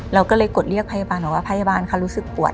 เราก็เลยกดเรียกพยาบาลบอกว่าพยาบาลเขารู้สึกปวด